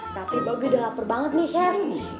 tapi bogi udah lapar banget nih seth